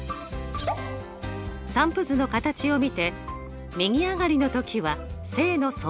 散布図の形を見て右上がりの時は正の相関関係。